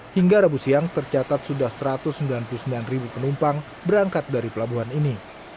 hingga rabu siang tercatat sudah satu ratus sembilan puluh sembilan ribu penumpang berangkat dari pelabuhan ini